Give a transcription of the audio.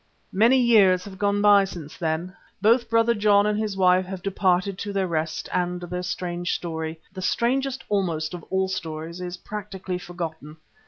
Many years have gone by since then. Both Brother John and his wife have departed to their rest and their strange story, the strangest almost of all stories, is practically forgotten.